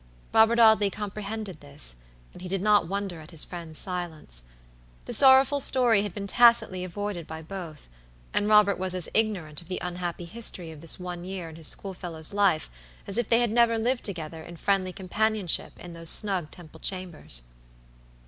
Robert Audley comprehended this, and he did not wonder at his friend's silence. The sorrowful story had been tacitly avoided by both, and Robert was as ignorant of the unhappy history of this one year in his schoolfellow's life as if they had never lived together in friendly companionship in those snug Temple chambers.